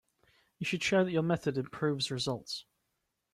You should show that your method improves results.